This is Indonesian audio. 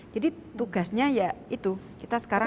jadi tugasnya ya itu kita sekarang